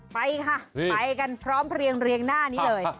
ไปค่ะไปกันพร้อมเพลียงเรียงหน้านี้เลย